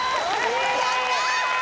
やったー！